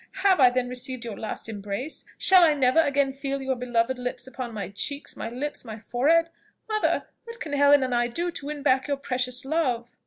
have I then received your last embrace? Shall I never again feel your beloved lips upon my cheeks, my lips, my forehead? Mother! what can Helen and I do to win back your precious love?"